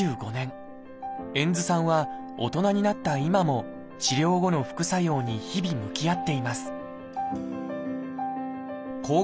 遠津さんは大人になった今も治療後の副作用に日々向き合っています。